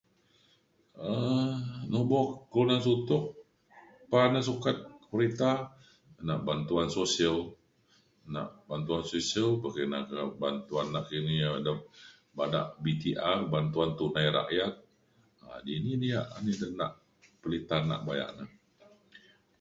um nubo kelunan sutok pa na sukat perita nak bantuan sosial nak bantuan sosial pekina ke bantuan nakini ia' dau bada BTR Bantuan Tunai Rakyat um dini na ia' dini denak pelita nak bayak na